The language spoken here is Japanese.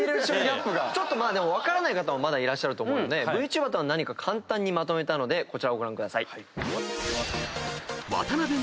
分からない方もいらっしゃると思うのでＶＴｕｂｅｒとは何か簡単にまとめたのでこちらをご覧ください。